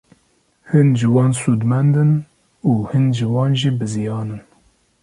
Hin ji wan sûdmend in û hin ji wan jî biziyan in.